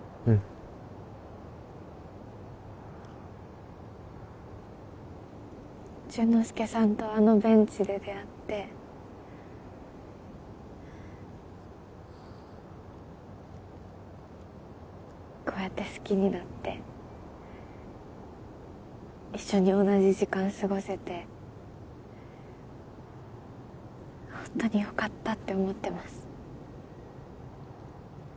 うん潤之介さんとあのベンチで出会ってこうやって好きになって一緒に同じ時間過ごせてホントによかったって思ってます